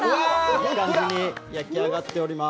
いい感じに焼き上がっております。